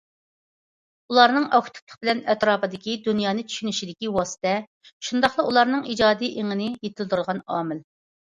ئۇلارنىڭ ئاكتىپلىق بىلەن ئەتراپىدىكى دۇنيانى چۈشىنىشىدىكى ۋاسىتە، شۇنداقلا ئۇلارنىڭ ئىجادىي ئېڭىنى يېتىلدۈرىدىغان ئامىل.